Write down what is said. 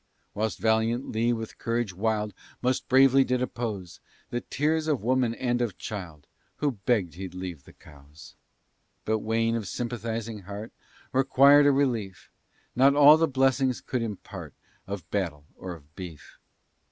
Whilst valiant Lee, with courage wild, Most bravely did oppose The tears of woman and of child, Who begg'd he'd leave the cows. But Wayne, of sympathizing heart, Required a relief, Not all the blessings could impart Of battle or of beef.